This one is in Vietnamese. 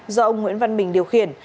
do ông nguyễn văn bình điều khiển